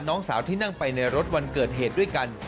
น้องสาวที่นั่งไปในรถวันเกิดเหตุด้วยกัน